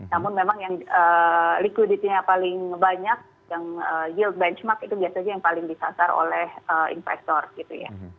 namun memang yang liquidity nya paling banyak yang yield benchmark itu biasanya yang paling disasar oleh investor gitu ya